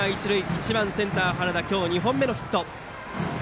１番センター、原田今日２本目のヒット。